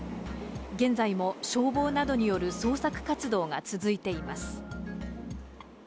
現在も消防などによる捜索活動が続いています。